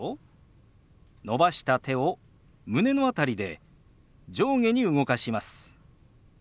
伸ばした手を胸の辺りで上下に動かします。